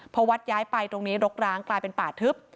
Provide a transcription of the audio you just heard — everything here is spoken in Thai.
พอวัดย้ายไปตรงนี้รกร้างกลายเป็นป่าทึบ